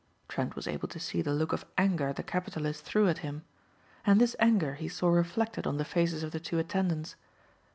Trent was able to see the look of anger the capitalist threw at him. And this anger he saw reflected on the faces of the two attendants.